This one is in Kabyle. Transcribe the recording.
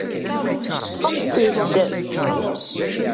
Ṭṭfemt-t-id!